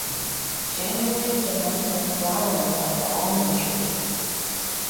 January is the month of flowering of the almond tree.